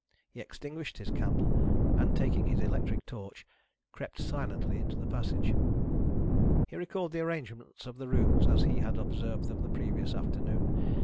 He extinguished his candle and, taking his electric torch, crept silently into the passage. He recalled the arrangements of the rooms as he had observed them the previous afternoon.